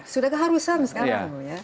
sudah keharusan sekarang ya